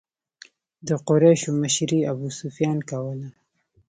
د قریشو مشري ابو سفیان کوله.